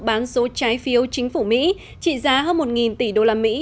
bán số trái phiếu chính phủ mỹ trị giá hơn một tỷ đô la mỹ